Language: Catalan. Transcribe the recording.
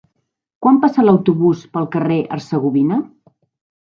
Quan passa l'autobús pel carrer Hercegovina?